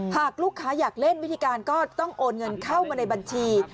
หากลูกค้าอยากเล่นวิธีการก็ต้องโอนเงินเข้ามาในบัญชี